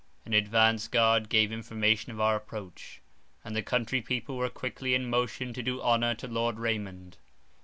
An advanced guard gave information of our approach, and the country people were quickly in motion to do honour to Lord Raymond.